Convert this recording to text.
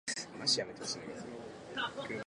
機械工と電電女の子いなさすぎだろ